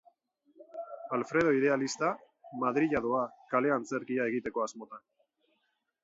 Alfredo idealista Madrila doa kale-antzerkia egiteko asmotan.